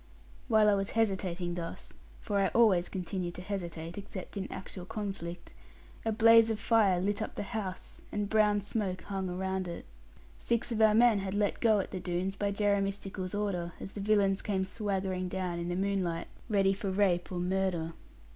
While I was hesitating thus (for I always continue to hesitate, except in actual conflict), a blaze of fire lit up the house, and brown smoke hung around it. Six of our men had let go at the Doones, by Jeremy Stickles' order, as the villains came swaggering down in the moonlight ready for rape or murder.